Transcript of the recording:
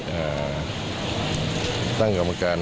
อ่าตั้งกรรมการ